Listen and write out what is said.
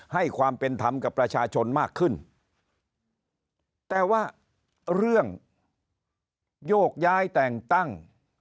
ให้ความเป็นธรรมกับประชาชนมากขึ้นแต่ว่าเรื่องโยกย้ายแต่งตั้ง